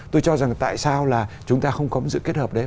tôi cho rằng tại sao là chúng ta không có sự kết hợp đấy